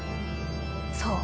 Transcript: そう。